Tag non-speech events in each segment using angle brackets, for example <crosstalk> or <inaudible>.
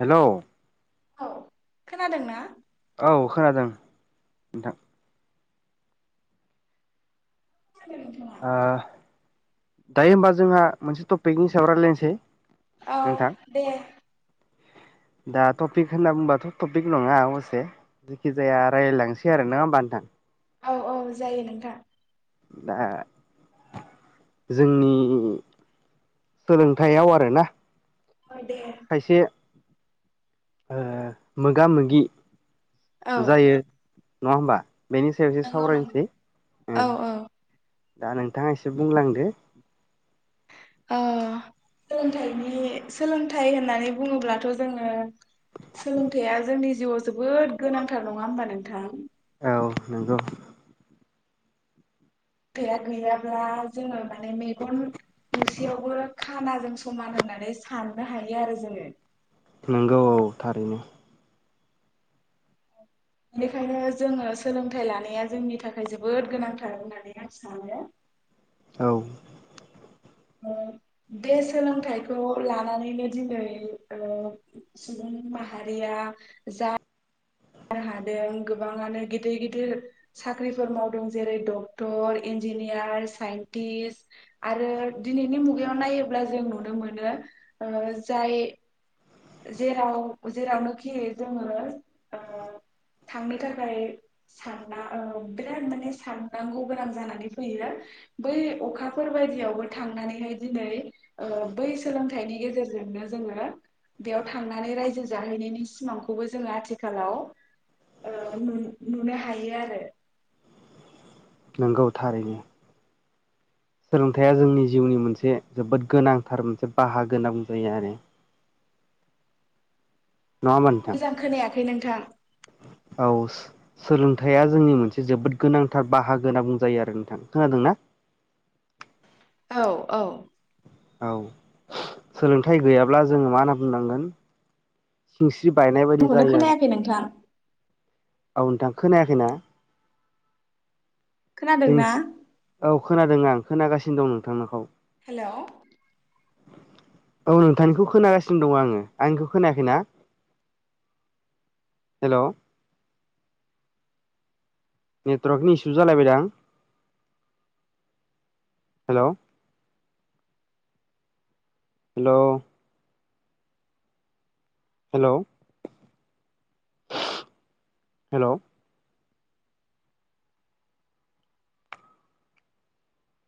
Hello औ खोनादों ना? औ खोनादों नोंथां। खोनादों नोंथाङा? ओ दायो होमबा जोंहा मोनसे टपिकनि हिसाबै रायलायनोसै। औ नोंथां दे। दा टपिक होनना बुंबाथ' टपिक नङा अबसे जेखि जाया रायलायलांसै आरो नङा होमबा नोंथां? औ औ जायो नोंथां। दा जोंनि सोलोंथाइयाव आरोना दे खायसे ओ मोगा मोगि औ जायो। नङा होमबा? बेनि सायाव एसे नंगौ नंगौ सावरायनोसै औ ओं। औ दा नोंथाङा एसे बुंलांदो। ओ सोलोंथाइनि सोलोंथाइ होननानै बुङोब्लाथ' जोङो सोलोंथाइया जोंनि जिउआव जोबोद गोनांथार नङा होमबा नोंथां? औ नंगौ। गैया गैयाब्ला जोङो माने मेगन नुसेयावबो खानाजों समान होननानै साननो हायो आरो जोङो। नंगौ औ थारैनो। बेनिखायनो जोङो सोलोंथाइ लानाया जोंनि थाखाय जोबोद गोनांथार होननानै आं सानो। औ बे सोलोंथाइखौ लानानैनो दिनै ओ सुबुं माहारिया जा नो हादों गोबाङानो गिदिर गिदिर साख्रिफोर मावदों जेरै डक्टर, इन्जिनियार, साइन्टिस्ट आरो दिनैनि मुगायाव नायोब्ला जों नुनो मोनो ओ जाय जेराव जेरावनोखि जोङो ओ थांनो थाखाय सानना औ बिराद माने साननांगौ गोनां जानानै फैयो। बै अखाफोर बायदियावबो थांनानैहाय दिनै ओ बै सोलोंथाइनि गेजेरजोंनो जोङो बेयाव थांनानै रायजो जाहैनायनि सिमांखौबो जोङो आथि खालाव ओ नुन-नुनो हायो आरो नंगौ थारैनो सोलोंथाइया जोंनि जिउनि मोनसे जोबोद गोनांथार मोनसे बाहागो होनना बुंजायो आरो। नङा होमबा नोंथां? खै नोंथां। औ सोलोंथाइया जोंनि मोनसे जोबोद गोनांथार बाहागो होनना बुंजायो आरो नोंथां खोनादोंना? औ औ औ सोलोंथाइ गैयाब्ला जोङो मा होनना बुंनांगोन <unintelligible> <unintelligible> बायनाय बादि आंखौनो जायो आरो। खोनायाखै नोंथां औ नोंथां खोनायाखैना? जों खोनादोंना? औ खोनादों आं खोनागासिनो दं नोंथांनाखौ। हेलौ औ नोंथांनिखौ खोनागासिनो दङ आङो आंनिखौ खोनायाखैना हेल'? नेटवर्कनि इसु जालायबायदां hello hello hello hello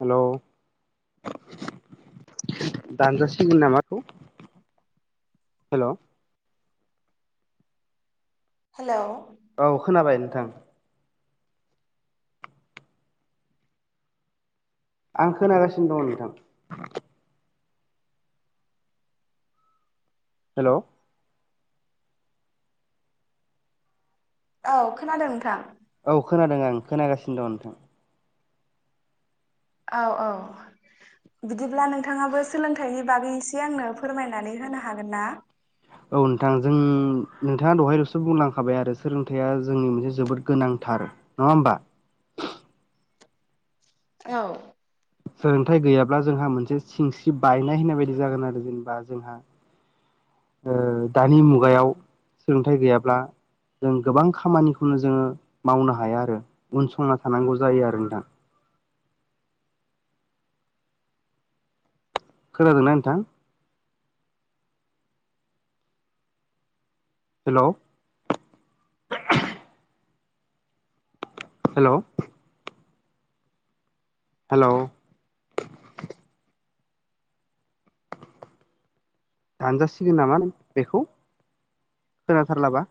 hello दानजासिगोन नामाथ हेलौ हेलौ औ खोनाबाय नोंथां आं खोनागासिनो दङ नोंथां। हेल' औ खोनादों नोंथां। औ खोनादों आं खोनागासिनो दं नोंथां। औ औ बिदिब्ला नोंथाङाबो सोलोंथाइनि बागै एसे आंनो फोरमायनानै होनो हागोन ना? औ नोंथां जों नोंथाङा दहाय लसो बुंलांखाबाय आरो सोलोंथाइआ जोंनि मोनसे जोबोद गोनांथार नङा होमबा? औ सोलोंथाइ गैयाब्ला जोंहा मोनसे सिनस्रि बायनाय होननाय बायदि जागोन आरो जेनेबा जोंहा दानि मुगायाव सोलोंथाइ गैयाब्ला जों गोबां खामानिखौनो जोङो मावनो हाया आरो उनसंना थानांगौ जायो आरो नोंथां। खोनादोंना नोंथां? हेलौ हेलौ हेलौ दानजासिगोन नामा बेखौ खोनाथारलाबा।